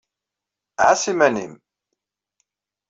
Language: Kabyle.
Ɛass iman-im.